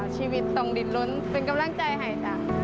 ชีวิตต้องดินล้นเป็นกำลังใจให้จ้ะ